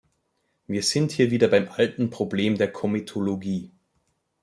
Wir sind wieder beim alten Problem der Komitologie.